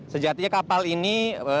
sejatinya kapal ini